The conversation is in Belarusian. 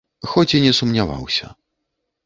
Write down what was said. Хоць і не сумняваўся.